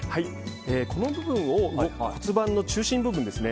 この部分、骨盤の中心部分ですね